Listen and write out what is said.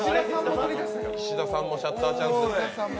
石田さんもシャッターチャンス。